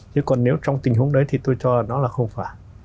thế còn nếu trong tình huống đấy thì tôi cho là nó là không phải